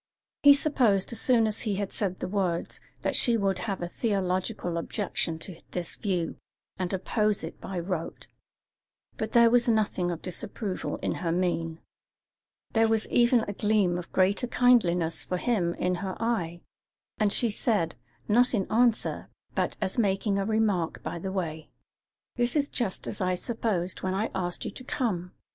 He supposed, as soon as he had said the words, that she would have a theological objection to this view, and oppose it by rote; but there was nothing of disapproval in her mien; there was even a gleam of greater kindliness for him in her eye, and she said, not in answer, but as making a remark by the way: "That is just as I supposed when I asked you to come.